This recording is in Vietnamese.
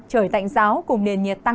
trời tạnh giáo cùng nền nhiệt tăng